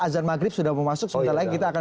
azan maghrib sudah memasuk sebentar lagi kita akan